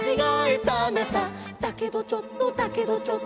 「だけどちょっとだけどちょっと」